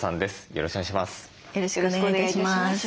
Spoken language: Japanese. よろしくお願いします。